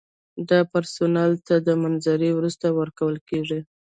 دا پرسونل ته د منظورۍ وروسته ورکول کیږي.